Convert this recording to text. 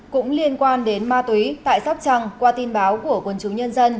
cũng liên quan đến ma túy tại sóc trăng qua tin báo của quân chúng nhân dân